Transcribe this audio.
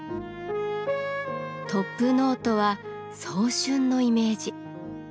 トップノートは早春のイメージ。